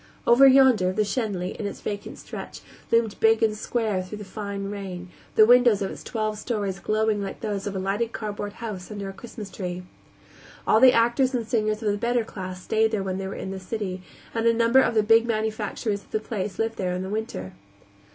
Over yonder, the Schenley, in its vacant stretch, loomed big and square through the fine rain, the windows of its twelve stories glowing like those of a lighted cardboard house under a Christmas tree. All the actors and singers of the better class stayed there when they were in the city, and a number of the big manufacturers of the place lived there in the winter.